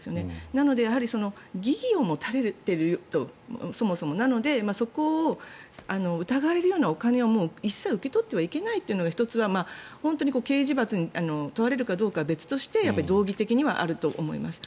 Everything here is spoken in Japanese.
なのでそもそも疑義を持たれてるのでそこを疑われるようなお金を一切受け取ってはいけないというのが１つは、本当に刑事罰に問われるかどうかは別にして道義的にはあると思います。